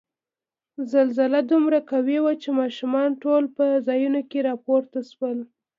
زلزله دومره قوي وه چې ماشومان ټول په ځایونو کې را پورته شول.